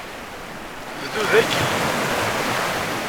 Bdu daki!